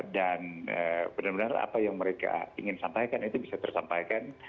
dan benar benar apa yang mereka ingin sampaikan itu bisa tersampaikan